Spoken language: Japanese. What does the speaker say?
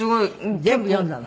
全部読んだの？